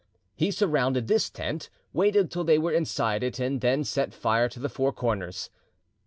He surrounded this tent, waited till they were inside it, and then set fire to the four corners.